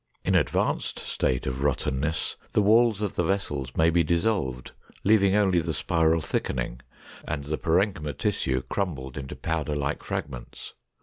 In advanced stages of rottenness the walls of the vessels may be dissolved, leaving only the spiral thickening, and the parenchyma tissue crumbled into powder like fragments.